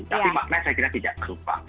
tapi makna saya kira tidak berupa